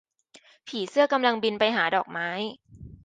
ผีเสื้อกำลังบินไปหาดอกไม้